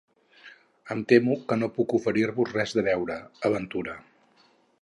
Em temo que no puc oferir-vos res de beure, aventura.